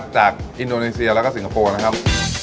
อินโดนีเซียแล้วก็สิงคโปร์นะครับ